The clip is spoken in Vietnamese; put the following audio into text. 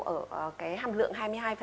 ở cái hàm lượng hai mươi hai